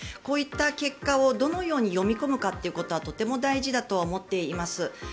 こういった結果をどのように読み込むかということはとても大事だと思っています。